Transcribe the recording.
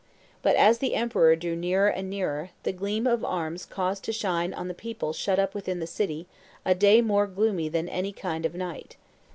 But as the emperor drew nearer and nearer, the gleam of arms caused to shine on the people shut up within the city a day more gloomy than any kind of night.